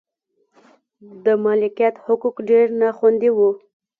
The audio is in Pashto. د مالکیت حقوق ډېر نا خوندي و.